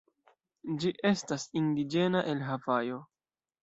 Ĝi estas indiĝena el Havajo.